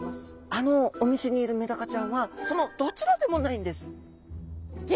あのお店にいるメダカちゃんはそのどちらでもないんです。え！？